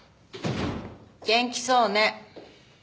元気そうね。